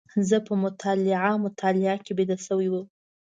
زه په مطالعه مطالعه کې بيده شوی وم.